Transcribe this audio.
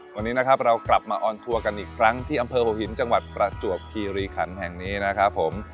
วันนี้นะครับเรากลับมาออนทัวร์กันอีกครั้งที่อำเภอหัวหินจังหวัดประจวบคีรีขันแห่งนี้นะครับผม